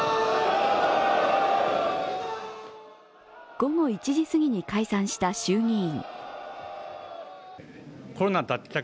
午後１時すぎに解散した衆議院。